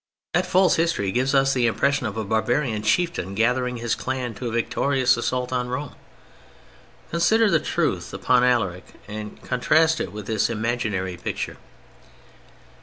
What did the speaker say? That false history gives us the impression of a barbarian Chieftain gathering his Clan to a victorious assault on Rome. Consider the truth upon Alaric and contrast it with this imaginary picture.